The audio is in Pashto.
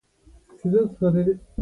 قهوه د فکرونو خلاصون دی